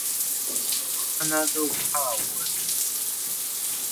好像還有押韻